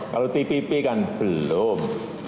kalau tpp kan belum